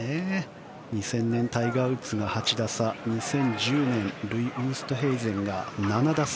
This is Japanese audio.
２０００年タイガー・ウッズが８打差ルイ・ウーストヘイゼンが７打差。